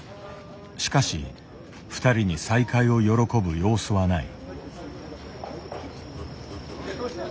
しかしふたりに再会を喜ぶ様子はない。